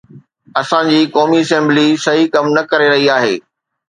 اسان جي قومي اسيمبلي صحيح ڪم نه ڪري رهي آهي.